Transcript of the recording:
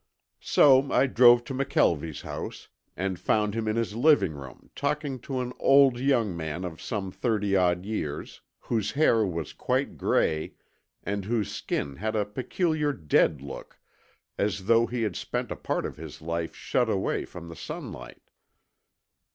So I drove to McKelvie's house and found him in his living room talking to an old young man of some thirty odd years, whose hair was quite gray and whose skin had a peculiar dead look, as though he had spent a part of his life shut away from the sunlight.